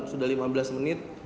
sudah lima belas menit